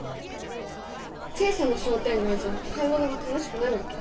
小さな商店街じゃ買い物が楽しくないわけ？